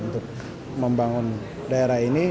untuk membangun daerah ini